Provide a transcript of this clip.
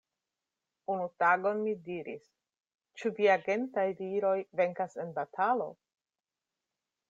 Unu tagon mi diris, Ĉu viagentaj viroj venkas en batalo?